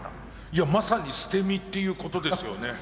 いやまさに捨て身っていうことですよね。